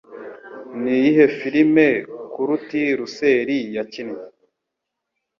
Niyihe film Kurt Russell yakinnye?